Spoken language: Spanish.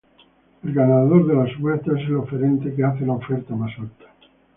El ganador de la subasta es el oferente que hace la oferta más alta.